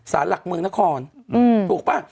สารหลักเมืองนครถูกป่ะ